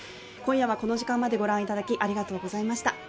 今夜はこの時間までご覧いただき、ありがとうございました。